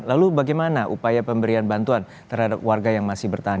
lalu bagaimana upaya pemberian bantuan terhadap warga yang masih bertahan